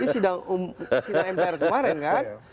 di sidang mpr kemarin kan